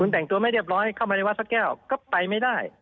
แต่งตัวไม่เรียบร้อยเข้ามาในวัดสักแก้วก็ไปไม่ได้